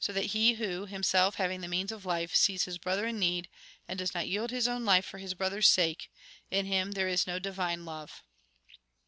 So that he who, himself having the means of life, sees his brother in need, and does not yield his own life for his brother's sake, — in him there is no divine love.